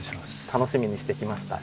楽しみにしてきました。